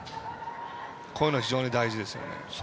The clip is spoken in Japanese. こういうのは非常に大事ですよね。